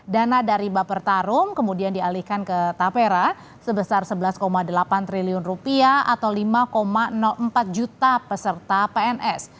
dana dari baper tarum kemudian dialihkan ke tapera sebesar sebelas delapan triliun rupiah atau lima empat juta peserta pns